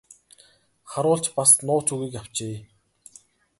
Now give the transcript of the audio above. Харуул ч бас нууц үгийг авчээ.